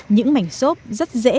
những mảnh sốt rất dễ